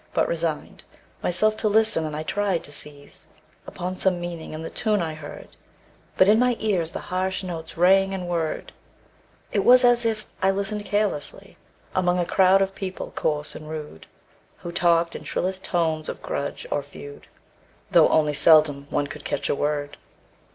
but resigned Myself to listen, and I tried to seize Upon some meaning in the tune I heard. But in my ears the harsh notes rang and whirred; It was as if I listened carelessly Among a crowd of people coarse and rude, Who talked in shrillest tones of grudge or feud, Though only seldom one could catch a word.